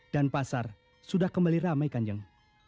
dan pasar sudah kembali ramai kan jeng